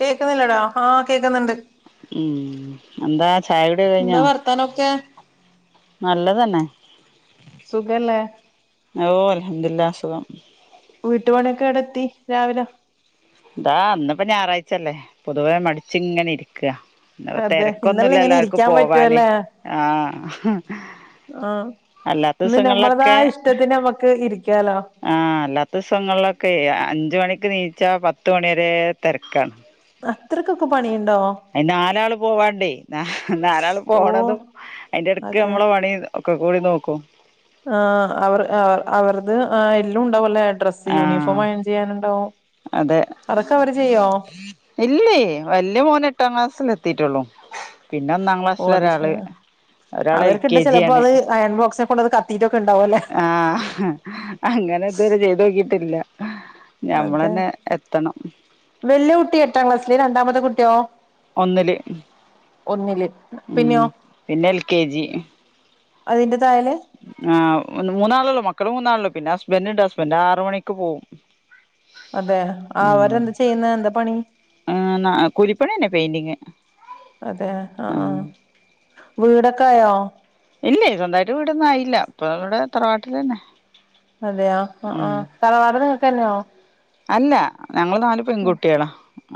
കേക്കുന്നില്ലടാ ആഹ് കേക്കുന്നുണ്ട് ഉം എന്താ ചായകുടി കഴിഞ്ഞോ എന്താ വർത്താനൊക്കെ നല്ലതന്നെ സുഖല്ലെ ഓ അൽഹംദുലില്ലാ സുഖം ത്തി രാവിലെ ഇതാ അന്നിപ്പ ഞായറാഴ്ചല്ലേ പൊതുവേ മടിച്ച് ഇങ്ങനെ ഇരിക്കാ അതെ ഇന്നലെ ഇങ്ങനെ തെരക്കൊന്നുല്ലല്ലാർക്കും ഇരിക്കാൻ പോവാന് ആഹ് ആഹ് ആ ഇന്ന് നമ്മളതാ ദിവസങ്ങളിലൊക്കെ ഇഷ്ടത്തിന് നമ്മുക്ക് ഇരി ആഹ്. അല്ലാത്ത ദിവസങ്ങളിലൊക്കെ അഞ്ച് മണിക്ക് നീച്ചാ പത്ത് മണി വരെ തെരക്കാ അത്രയ്ക്കൊക്കെ പണിയു ആ നാലാള് പോവാണ്ടേ ന നാലാള് ഓഹ് പോണതും അതിന്റെ എടക്ക് നമ്മളെ പണി ഒക്കെ കൂടി നോക്കൂ ആ അവർ അവർ അവർത് ആ എല്ലും ഉണ്ടാവല്ലേ ഡ്രെസ്സ് യൂണിഫോം ആഹ് അയേൺ ചെയ്യാനുണ്ടോ അതെ അതൊക്കെ അവര് ചെയ്യോ ഇല്ലേ വല്യ മോനെട്ടാം ക്ലാസ്സിൽ എത്തിട്ടുള്ളൂ പിന്നെ ഒന്നാം ഓഹ് ക്ലാസ്സില് അത് ശരി ഒരാള് ഒരാള് എൽ കെ ജി ആാണ് കൊണ്ടന്ന് കത്തിട്ട് ആഹ് അങ്ങനെ ഇത് വരെ ചെയ്ത് നോക്കി ട്ടില്ല അതെ വല്ല്യകുട്ടി എട്ടാം ക്ലാസ് ഇ രണ്ടാമത്തെ കുട്ട്യോ ഒന്നില് ഉം പിന്നെയോ പിന്നെ എൽ കെ ജി അതിന്റെ താഴെ ആഹ് മൂന്നാളൊള്ളൂ മക്കൾ മൂന്നാളൊള്ളൂ പിന്നെ ഹസ്ബൻ്റ് ഹസ്ബൻ്റ് ആറു മണിക്ക് പോവും അതെ അവരെന്ത് ചെയ്യുന്ന് എന്താ പണി ആ കൂലിപ്പണി തന്നെ പെയ്ന്റിങ് അതെ ആഹ ആഹ വീടൊക്കെ ആയോ ഇല്ല സ്വന്തമായിട്ട് വീടൊന്നും ആയില്ല ഇപ്പൊ ഇവിടെ തറവാട്ടിൽ തന്നെ അതെയാ ഉം ആഹ തറവാട് നിങ്ങക്ക് തന്നെയാണോ അല്ല ഞങ്ങൾ നാല് പെൺകുട്ടികളാ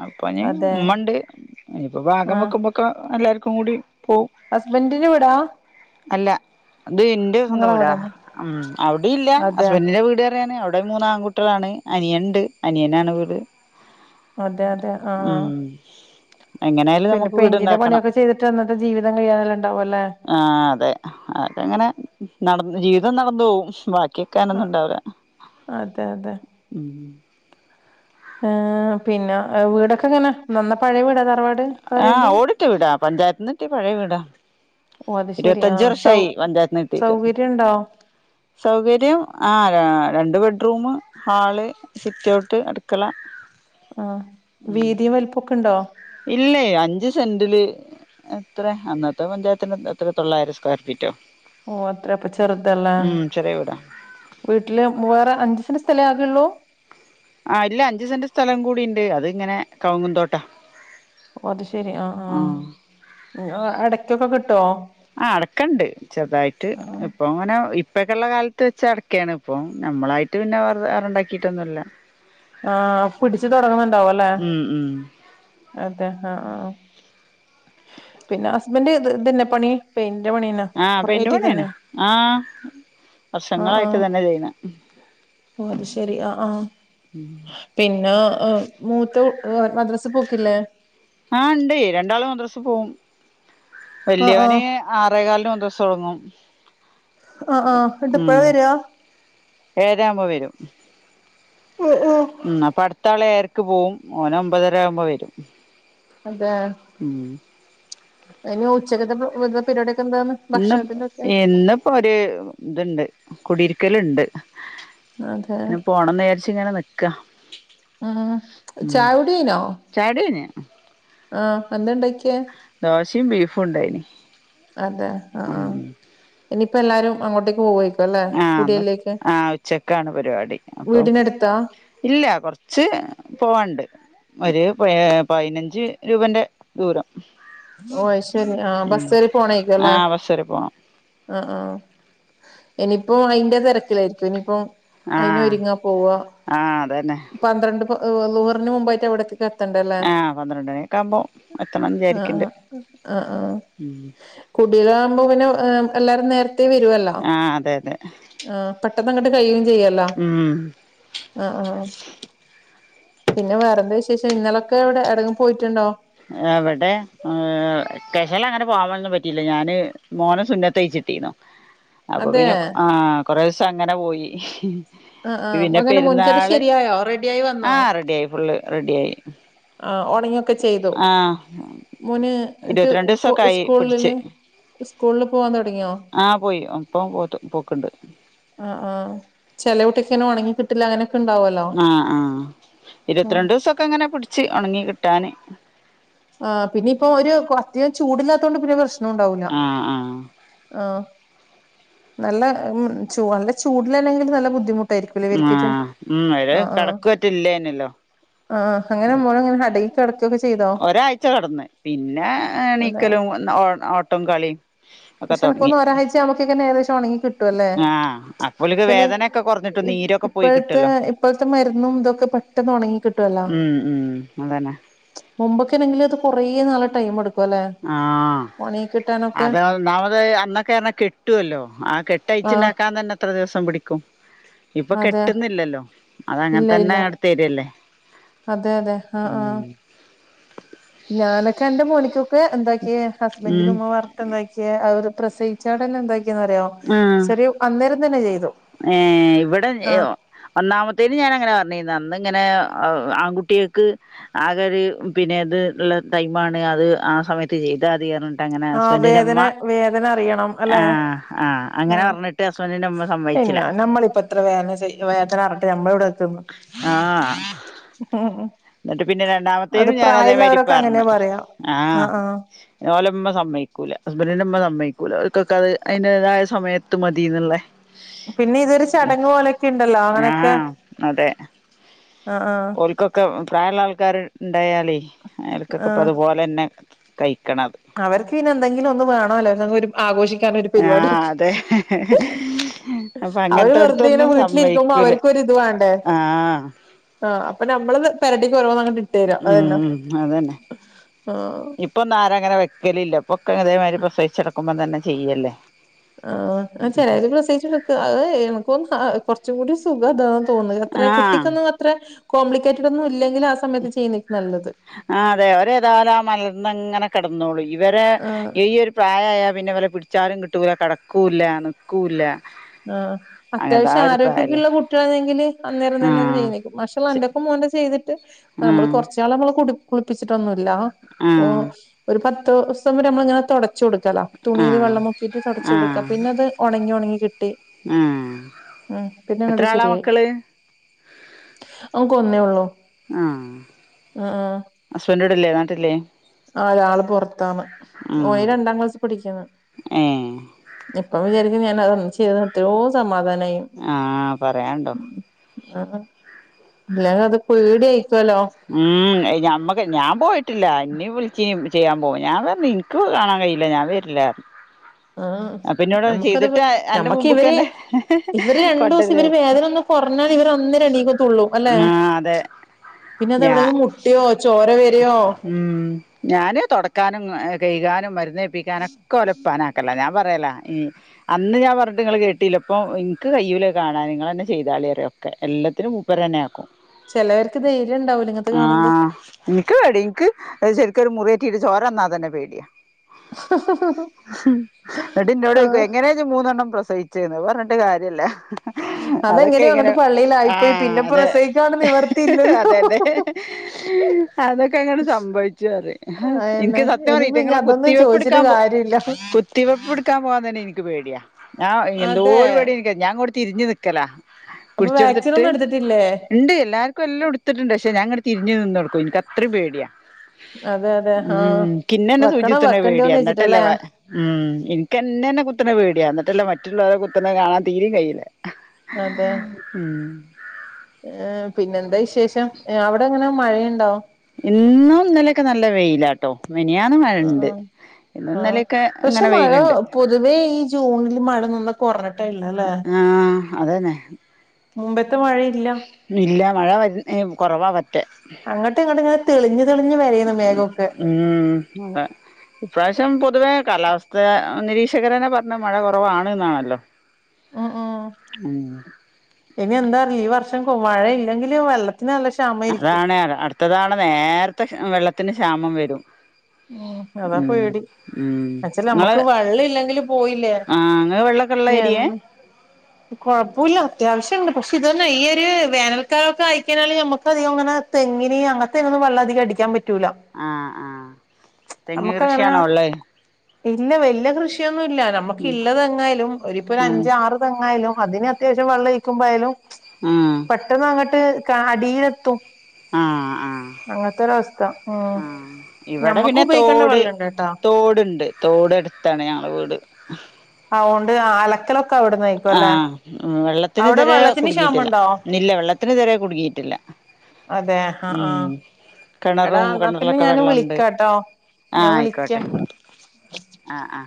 അപ്പോ നി അതെ ഉമ്മണ്ട് ഇനിയിപ്പോഭാഗം വെക്കുമ്പോക്കെ എല്ലാ കൂടി ഹുസ്ബൻഡ് ന്റ് വീടാ- അല്ലാ- അത് ഇന്റെ സ്വന്തം നിങ്ങളെ വീടാ വീടന്നെ ഉം അവിടെ ഇല്ല അതെ ഹസ്ബൻഡിന്റെ വീട്- അവിടെയാണ്അവിടെ മൂന്ന് ആൺകുട്ടിളാണ് അനിയൻ- ണ്ട് അനിയനാണ് വീട്- അതെ അതെ ഉം ആഹ്- എങ്ങനെയാലും നമുക്ക് വീട്ണ്ടാക്കണം ചെയ്തിട്ട് അന്നത്തെ ജീവിതം കഴിയാനെല്ലാം ഉണ്ടാവുംല്ലേ ആഹ് അതെ അതങ്ങനെ- നടന്ന് ജീവിതം നടന്നു പോകും ബാക്കി കേക്കാനൊന്നണ്ടാവാ- അതെ ആഹ് പിന്നെ വീടൊക്കെ എങ്ങനെ നന്ന പഴ വീടതാ- ആഹ് ഓടിട്ട് വീടാ പഞ്ചായത്തിന്ന് കിട്ടി പഴയ വീടാ ഓ അത് ശെരി ആ ഇരുപത്തിയഞ്ച് സൗ വർഷായി പഞ്ചായത്തിന്ന് കിട്ടീട്ട് സൗകര്യണ്ടോ സൗകര്യം ആ- രണ്ട് ബെഡ്റൂം ഹാള് സിറ്റ് ഔട്ട് അട്ക്കള- ആഹ് വീതിയും വലിപ്പക്കെ ഉണ്ടോ? ഇല്ലേ അഞ്ച് സെന്റില് എത്ര അന്നത്തെ പഞ്ചായത്തിന്റെ എത്ര തൊള്ളായിരം സ്ക്വയർ ഫീറ്റോ? ഓ അത്ര അപ്പൊ ചെറുതല്ല ഉം ചെറിയ വീടാ വീട്ടില് വാറെ അഞ്ച് സ്ഥലേ ആകുള്ളൂ- ആ ഇല്ല അഞ്ചു സെന്റ് സ്ഥലം കൂടി ഉണ്ട് അത് ഇങ്ങനെ കവങ്ങുംന്തോട്ടാ- ഓ അത് ശെരി ആഹ് ആഹ് അടയ്ക്കൊക്കെ കിട്ട ആഹ് അടക്കണ്ട് ചെറുതായിട്ട് ആ ഇപ്പൊ അങ്ങനെ ഇപ്പൊക്കെയള്ള കാലത്ത് വെച്ച അടക്കയാണ് ഇപ്പ നമ്മളായിട്ട് പിന്നെ വേറെണ്ടാക്കിയിട്ടൊന്നുമല്ല ആഹ് പിടിച്ചു തുടങ്ങുന്നുണ്ടാവ അല്ലേ ഉം ഉം അതെ ആഹ ആഹ പിന്നെ ഹസ്ബൻഡ് ഇത് തന്നെപ്പണി പെ ആഹ് പെയ്ന്റ് പണിന്നെ ആഹ് ആ ആ വർഷങ്ങളായിട്ട് ഇതന്നെ ചെയ്യുന്ന ഓ അത് ശെരി ആഹ് ആഹ പിന്നെ പിന്ന മൂത്ത മദ്രസ് പോക്കില്ലേ ആഹ് ഇണ്ട് രണ്ടാള് മദ്രസ് പോവും ആ ആ വലിയവന് ആറേകാലിന് മദ്രസ് തുടങ്ങും ആ ആ എപ്പഴാ വരിക? ഏഴരയാകുമ്പം വരും. ഉം അടുത്താള് എ പോവും. ഓൻ ഒമ്പതര ആവുമ്പോ വരും. അതെ ഉം ഇനി ഉച്ചകത്തെ ഓ എന്താ പരുപാടി? ഇന്ന് ഇന്നിപ്പോ ഒരു ഇതുണ്ട്. കുടിയിരിക്കല്ണ്ട് അതെ ഇങ്ങനെ നിക്കാ ഉം. ഉം ചായ കുടി കഴിഞ്ഞോ? ചായുടി കഴിഞ്ഞ് ആ എന്താ ഉണ്ടാക്കിയെ? ദോശയും ബീഫും ഉണ്ടായിന്. അതെ ആ ആ ഇനി ഇപ്പം എല്ലാരും അങ്ങോട്ടേക്ക് പോ ആ ആ ഉച്ചക്കാണ് പരിപാടി. അപ്പൊ വീടിനടുത്താ ഇല്ല കുറച്ച് പോവാണ്ട്. ഒരു പ പതിനഞ്ച് രൂപന്റെ ദൂരം. ഓ ശരി ആ ഉം ബസ് കേറി പോണേക്കല്ലേ? ആഹ് ബസ് വരെ പോണം ആ ആ ഇനി ഇപ്പൊ അതിന്റെ തരക്കിലായിരിക്കും ഇനിയിപ്പോ? അയിന് ആഹ് ഒരുങ്ങാൻപോവാ ആഹ് അതന്നെ പന്ത്രണ്ട് ളുഹറിന് മുമ്പായിട്ട് അവിടെഎത്തി. ആ പന്ത്രണ്ട് മണിഒക്കെ ആ കുമ്പോ എത്തണന്ന് വിചാര ആ ആ ആ കുടിലോ ഭവംപിന്നെ എല്ലരും നേ വരുല്ലോ? ആഹ് അതെ അതെ ആ പെ അതങ്ങട്ട് കയി ചെയ്യല്ല. ഉം ആ ആ പിന്നെ വേറെന്ത വിശേഷം? ഇങ്ങളൊക്കെ എവിടെ എവിടേലും പോയിട്ടുണ്ടോ? എവിടെ വെക്കേഷനില് അങ്ങനെ പോവാനനൊന്നു പറ്റിയില്ല. ഞാന് മോനെ സുന്നത്തയിച്ചിട്ടിന്നോ. അപ്പൊ അതെ പിന്നെ ആ കൊറേ ദിവസം അങ്ങനെ പോയി. ആ ആ പിന്നെ അങ്ങനെ മുൻചത് പെരുന്നാള് ശെരിയായോ റെഡി ആയി വന്നോ? റെഡിയിയായി. ആ ഉണങ്ങിയൊക്കെ ചെയ്തു. മോന് എന്നിട്ട് ഇരുപത്തിരണ്ട് ദിവസൊക്കെ ആയി പിടിച്ച് സ്കൂളില് സ്കൂളില് പോവാൻ തുടങ്ങിയോ? ആഹ് പോയി ഇപ്പം പോത്ത് പോക്ക്ണ്ട് ആ ആ ചില കുട്ടിങ്ങനെ ഉണങ്ങി കിട്ടില്ല. അങ്ങനെ ആ ആ ഇരുപത്തിരണ്ട് ദിവസക്കെ അങ്ങനെ പിടിച്ച് ഉണങ്ങി ട്ടാൻ ആ പിന്നെ ഇപ്പൊ ഒരു കൊ അധികം ചൂടില്ലാത്തകൊണ്ട് പിന്നെ പ്രശ്ന നണ്ടാവൂല്ല ആഹ് ആഹ് ആ നല്ല ഉം ചൂ അ നല്ല ചൂടിലല്ലെങ്കിൽ നല്ല ബുദ്ധിമു ആ ഉം ഒര് കിടക്ക പറ്റല്ലേനല്ലോ ആ അങ്ങനെ മോള ഇങ്ങനെ ഹട ഒക്കെ ചെയ്തോ ച്ച കെടന്ന് പിന്നെ അതെ എണീക്കലും ഓട്ടോം കളിം പക്ഷെ എനക്കുതോന്നു ഒരാഴ്ച നമക്കിങ്ങനെ ഏകദേശം ഒണങ്ങി കിട്ടുവല്ലേ ആഹ് അപ്പോൽക്ക് ചെല വേദനൊക്കെ കൊറഞ്ഞിട്ട് ഈ നീരൊക്കെ പോയി ഇപ്പഴത്തെ കിട്ടല്ലോ ഇപ്പഴത്തെ മരുന്നും ഇതുവൊക്കെ പെട്ടെന്ന് ഒണങ്ങി കിട്ടുവല്ലോ ഉം ഉം അതന്നെ മുമ്പ് എണെങ്കിൽ അത് കുറേ നാള് ടൈം എടു ആ അത് ഒന്നാമ അത് അന്നൊക്കൊയാണെ കെട്ടുവല്ലോ ആ ആഹ് കെട്ടയച്ചിണ്ടാക്കാൻ തന്നെ എത്ര ദെവസം പിടിക്കും ക്കും ഇപ്പൊ അതെ കെട്ടുന്നില്ലല്ലോ അതങ്ങനെ ഇല്ല തന്നെ ഇല്ല അവിടെത്തരുവല്ലേ അതെ അതെ ആ ആ ഞാനൊക്കെ എന്റെ മോനിക്കെ ക്കെ എന്താക്കിയെ ഉം ഹസ്ബന്റിന്റുമ്മ വറത്തൊണ്ടാക്കിയ അതെടു പ്രസവിച്ചൊടനെ എന്തായ് ഉം ചെയ്തു ഏ ഇവിടെ ആ ഒന്നാമത്തേയിന് ഞാൻ അങ്ങനാ പറഞ്ഞീരുന്ന് അന്ന് ഇങ്ങനെ ആ ആൺകുട്ടികൾക്ക് ആകെ ഒരു പിന്നെ ഇത് ഇള്ള ടൈമാണ് അത് ആ സമയത്ത് ചെയ്താതി പറഞ്ഞി ആ വേദന വേദന അറിയണം ആ അല്ലെ ആ അങ്ങനെ ആ പറഞ്ഞിട്ട് ഹസ്ബൻഡിന്റെ അമ്മ സമ്മതിച്ചില്ല പിന്നെ നമ്മളിപ്പ ഇത്ര വേദന സഹി വേദന അറിഞ്ഞിട്ട് നമ്മളിവിടെ നിക്കുന്നു ആ ഉം എന്നിട്ട് പിന്നെ അത് രണ്ടാമത്തേനും ഞാൻ അതേമായിരി പ്രായമുള്ളവരൊക്കെ പറഞ്ഞു അങ്ങനെയാ പറയാ ആ ഓല ഉമ്മ സമ്മയിക്കൂല ഹസ്ബന്റിന്റുമ്മ സമ്മയിക്കൂല അവർക്കൊക്കെ അത് അയിന്റേതായ സമയത്ത് മതീന്നൊള്ളെ പിന്നെ ഇതൊരു ചടങ്ങ് പോലെയൊക്കെ ഇണ്ടല്ലോ ആ അങ്ങനെയൊക്കെ അതെ ആ ആ ഓൽക്കൊക്ക പ്രായൊളള ആൾക്കാര് ഇണ്ടായാലേ അയിർക്കൊക്കെ ആ ഇപ്പൊ അതുപോലെ തന്നെ കയി അവർക്ക് പിന്നെ എന്തെങ്കിലും ഒന്നും വേണല്ലോ ആഘോഷിക്കാനോ ഒരു ആഹ് പരിപാടിയൊക്കെ അതെ അപ്പൊ അവര് വെറുതെ ഇങ്ങനെ അങ്ങനത്തോടത്തൊന്നും വീട്ടിലിരിക്കുമ്പോ സമ്മയിക്കൂല അവർക്ക ഇതു വേ ണ്ടേ ആഹ് ആ അപ്പ ഞ മ്മള് പെരടിക് ഓരോ ഉം അതെന്നെ ആഹ് ഇപ്പൊ ഒന്ന് ആരങ്ങനെ നി കലില്ല പൊക്കങ്ങനെ അതേമാതിരി പ്രസവിച്ഛട്ക്കുമ്പം തന്നെ ചെയ്യല്ലേ ആ ചെലര് പ്രസവിച്ചട്ക ആ എനിക്ക് കൊറച്ച് കൂടി സുഖദാ തോന്ന അത്ര കുട്ടിക്കൊന്നും അത്ര കോംപ്ലിക്കേ ടൊന്നു ആ അതെ ഒരേതാലും ആ മലർന്നിങ്ങനെ കിടന്നോളു ഇവരെ ആഹ് ഈ ഒരു പ്രായായ പിന്നെ വലെ പിടിച്ചാലും കിട്ടൂല കെടക്കുല്ല നിക്കൂല്ല ആ അങ്ങനത്തെ ആ അത്യാവശ്യം ഒരു ആരോഗ്യൊക്കെ പ്രായല്ലേ ഉുള്ള കുട്ടികളാണെങ്കില് അന്നേരം തന്നൊക്ക ആഹ് ചെയ്തേക്കും മക്ഷേ അ എന്റെപ്രം മോൻ്റെ ചെയ്തിട്ട് നമ്മള് ആഹ് കൊറച്ചാൾ നമ്മള് കു കുളിപ്പിച്ച് ട്ടൊന്നുല്ല ഓ ആഹ് ഒരു പ ത്തൂസം വരെ നമ്മളിങ്ങനെ തൊട ച്ചു കൊടുക്കലാ തുണയിൽ ആഹ് വെള്ളം മുക്കിട്ട് തൊടച്ച് കൊടുക്ക ആഹ് പിന്നെ അത് ഉണങ്ങി ഉണങ്ങി കി ആഹ് ഉം എത്ര പിന്നെങ്ങട്ട് ആളാ ശരിയായി മക്കള് കൊന്നേ ഉള്ളൂ ആ ഹസ്ബൻ്റ് ല്ലേ നാട്ടില് ആ ഒരാള് പൊറത്താണ് ഉം ഓന് രണ്ടാം ക്ലാസ് പടിക്കാണ് ഏഹ് ഇപ്പ വിചാരി [unintelligible] ചെയ്ത എത്രയോ സമാധാനേനി ആഹ് പറയാണ്ടോ ആ ഇല്ല അത് പേട്യായി ഉം ഞമ്മക്ക് ഞാൻ പോയിട്ടില്ല ഇന്നിം വിളി ച്ചീനി ചെയ്യാൻ പോകാൻ ഞാൻ പറഞ്എനിക്ക് കാണാൻ കഴൂല്ല ഞാൻ വര്ല്ലാർഞ് ആ നമ്മുക്കത് അന്റെ നമ്മക്ക് ഇവര് മുമ്പ്ക്കെന്നെ ഇവര് രണ്ടു ദിവസം കൊണ്ടരാ ഇവര് വേദന ഒന്ന് കുറഞ്ഞാൽ ഇവര് ഒന്നേരണീകത്തുള്ളൂ അല്ലെ ആഹ് അതെ പിന്നെ അത ഞാ എവേ അങ് മോട്ടിയോ ഉം ഞാന് തുടക്കാനും ഏഹ് കഴകാനും നെപ്പിക്കാനൊകൊലൂ കൂപ്പനാക്കല്ല ഞാൻ പറയല ഈ അന്ന് ഞാൻ പറഞ്ഞിട്ട് നിങ്ങൾ കേട്ടില്ല ഇപ്പം എനിക്ക് കയ്യൂല്ല കാണാൻ നിങ്ങൾന്നെ ചെയ്താള്ളി രിയൊക്കെ എല്ലത്തിനും മൂപ്പർ തന്നെ ആക്കും ചിലവർക്ക് ധൈര്യം ഉണ്ടാവൂല ഇങ്ങത്തെ കാണുമ്പോ എനിക്ക് പേടി എനിക്ക് ശരിക്കൊരു മുറിയറ്റീട്ട ചോര വന്നാ തന്നെ പേടിയാ എന്നിട്ട്ന്നോട് ചോയ്ക്കുവാ ആഹ് എങ്ങനെയാ മൂന്നെണ്ണം പ്രസവിച്ചു ചെയുന്ന് പറഞ്ഞിട്ട് കാര്യല്ല അതൊക്കെ അതെങ്ങനെയ ഇങ്ങനെ അങ്ങോട്ട് പള്ളിയിലായിപ്പോയി ആഹ് പിന്നെ അതെ പ്രസയിക്കാണ് നിവർത്തിയില്ലല്ലോ അതെതെ അതൊക്കെ അങ്ങനെ സംഭവിച്ചുറി അയന്നെ എനിക്ക് സത്യം പാറി ഇനിയിപ്പ ഇങ്ങ ഈറ്റിങ്ങളെ അതൊന്നും കുത്തിവെപ്പ് ചോദിച്ചിട്ട് എടുക്കാൻ പോ കാര്യല്ല കുത്തിവെപ്പ് എടുക്കാൻ പോവാൻ തന്നെ എനിക്ക് പേടിയാ ഞാ എന്തോ അതെ ഒരു പടിരിക്ക ഞാൻ കൊടു തിരിഞ്ഞു നിൽക്കല അപ്പൊ പിടിച്ച വാക്സിൻ കൊടുത്തിട്ട് ഒന്നും എടുത്തിട്ടില്ലേ ഇണ്ട് എല്ലാർക്കും എല്ലാം ഇടുത്തിട്ടുണ്ട് പക്ഷെ ഞങ്ങ തിരിഞ് നിനോടകൊ ഓ ഇതിരി പേടിയ അതെ അതെ ഹ്ഹ്മ് ആഹ് കിനെനെ വെക്കണോ സൂചിതന്ന പേടിയ വെക്കണ്ടയോന്ന് എന്നിട്ടല്ലേ വെച്ചിട്ടല്ലേ ഹ്ഹ്മ് എനക്ക്ന്നന്നെ കുത്തതന്ന പേടിയ എന്നിട്ടല്ല ബാക്കി മറ്റുള്ളവരെ കുത്തന കാണാൻ തീര കയില്ല അതെ ഏ പിന്നെ എന്താ വിശേഷം അവിടെ അങ്ങനെ മഴയുണ്ടോ ഇന്നും ഇനലൊക്കെ നല്ല വെയിലാട്ടോ മിനിയാന്ന് ആ മഴണ്ട് ഇന്നും ആ ഇന്നലെയൊക്കെ പക്ഷെ ഇങ്ങനെ മഴ വെയിലുണ്ട് പൊതുവേ ഈ ജൂണിൽ മഴ നി കുറഞ് ആ അതന്നെ മുമ്പ ത് മഴയില്ല ഇല്ല മഴ വെറൂനെ കുറവാ വെ അങ്ങോട്ട് ഇങ്ങോട്ട് ഇങ്ങനെ തെളിഞ്ഞു തെളിഞ് വേരെന്ന് മേഘാഒക്കെ ഉം അതെ ഇപ്രാവശ്യം പൊതുവേ കാലാവസ്ഥ നിരീക്ഷകരനെ പറഞ്ഞു മഴ കുറവാണ് എന്നാണല്ലോ ഉം ഉം ഉം ഇനി എന്താറി ഈ വർഷം മഴയില്ലെങ്കില് വെള്ള അതാണ് അടുത്തതാണ് നേരത്തെ വെള്ള ത്തിന് ക്ഷാമം വരും ഉ അതാ ഉം പേടി ഉം അച്ചല് ഇങ്ങള് നമ്മുക്ക് വെള്ളം ഇല്ലെങ്കില് പോയില്ലേ ആ ഇങ്ങള് വെള്ളൊക്കെ ഇള്ള ഏരിയേ കൊഴപ്പില്ല അത്യാവശ്യണ്ട് പക്ഷെ ഇതൊന്നെ ഈ ഒരു വേനൽക്കാലമൊക്കെ അയിക്കഴിഞ്ഞല് നമുക്ക് അധിക അങ്ങനെ തെങ്ങിനി അങ്ങനത്തെങ്ങനെും വെള്ളംധികം അടിക്കാൻ പറ്റി ആഹ ആഹ തെങ് കൃഷിയാണോ ഉള്ളേ ഇന്ന വല കൃഷിയ ന്നുല്ല നമുക്ക് ഇള്ളതെങ്ങായാലും ഒപ്പൊ ഒരു ഉം അഞ്ച ആറ് തെങ്ങായാലും അതിന് അത്യാവ്യം വെള്ളംഴിക്കുമ്പോായാലും ഉം പെട്ടെന്ന് അങ്ങോട്ട് കാടിയിയിലത്തും ആഹ് ആ ഉം ആ ഇവിടെ ഞമ്മക്ക് പിന്നെ ഉപയോഗിക്കേണ്ട തോട് വെള്ളണ്ട് ട്ടോ തോടുണ്ട് തോടടു താണ് ഞങ്ങള് വീട് അതൊണ്ട് അലക്കലൊ ആ വെള്ളത്തിന് അവിടെ രെ വെള്ളത്തിന് കുടുങ്ങിട്ടില്ല ക്ഷാമണ്ടോ ഇില്ല വെള്ളത്തിന് രെ കുടുങ്ങിയിട്ടില്ല അതെ ആ ആ ഉം എടാ കിണറും എന്നാ പിന്നെ കിണറിലൊക്കെ ഞാൻ വെള്ളംുണ്ട് വിളിക്കാട്ടോ ആ ഞാൻ ആയിക്കോട്ടെ വിളിക്കാം ആ ആ